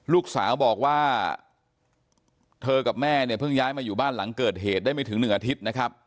ลูกสาวบอกว่าเธอกับแม่เนี่ยเพิ่งย้ายมาอยู่บ้านหลังเกิดเหตุได้ไม่ถึง๑อาทิตย์นะครับ